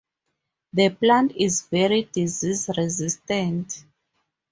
The plant is very disease resistant.